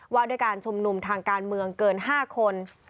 ว่าด้วยการชุมนุมทางการเมืองเกิน๕คน